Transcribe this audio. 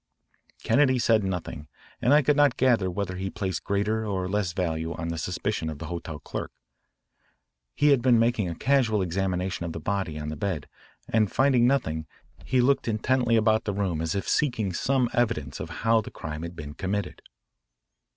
Kennedy said nothing and I could not gather whether he placed greater or less value on the suspicion of the hotel clerk. He had been making a casual examination of the body on the bed, and finding nothing he looked intently about the room as if seeking some evidence of how the crime had been committed.